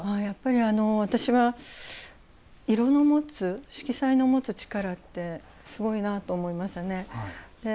やっぱり私は色の持つ色彩の持つ力ってすごいなと思いますね。